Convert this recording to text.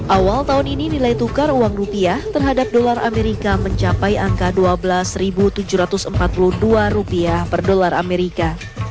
awal tahun ini nilai tukar uang rupiah terhadap dolar amerika mencapai angka dua belas tujuh ratus empat puluh dua rupiah per dolar amerika